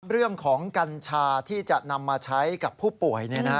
เรื่องของกัญชาที่จะนำมาใช้กับผู้ป่วย